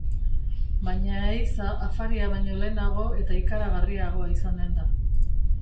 Baina ehiza afaria baino lehenago eta ikaragarriagoa izanen da.